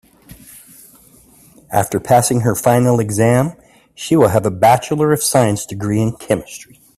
After passing her final exam she will have a bachelor of science degree in chemistry.